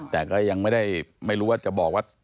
แต่ก็ยังไม่ได้ไม่รู้ว่าจะบอกว่า